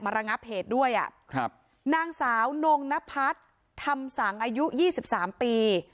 ระงับเหตุด้วยอ่ะครับนางสาวนงนพัฒน์ธรรมสังอายุยี่สิบสามปี